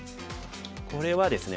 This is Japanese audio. これはですね